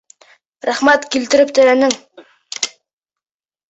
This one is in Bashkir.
Рәхмәт, килтереп терәнең!